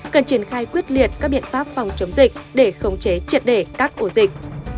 cần triển khai quyết liệt các biện pháp phòng chống dịch để khống chế triệt để các ổ dịch